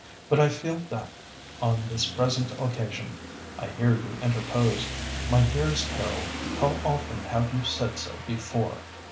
But I feel that, on this present occasion—(I hear you interpose, 'My dearest Harold, how often have you said so before!